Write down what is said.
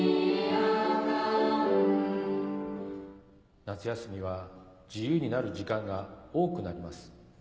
大阿寒夏休みは自由になる時間が多くなります。